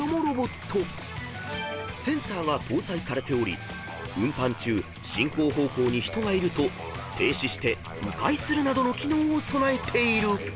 ［センサーが搭載されており運搬中進行方向に人がいると停止して迂回するなどの機能を備えている］